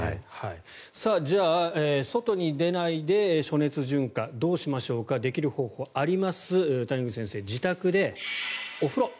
じゃあ外に出ないで暑熱順化どうしましょうかできる方法あります谷口先生、自宅でお風呂。